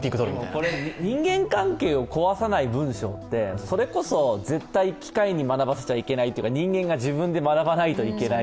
これ人間関係を壊さない文章って、それこそ絶対機械に学ばせちゃいけないというか人間が自分で学ばないといけない。